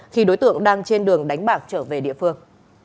khi đối tượng đang trên đường đánh bạc trở về địa phương